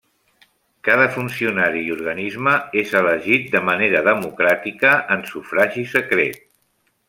Cada funcionari i organisme és elegit de manera democràtica en sufragi secret.